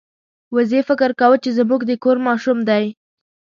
وزې فکر کاوه چې زموږ د کور ماشوم دی.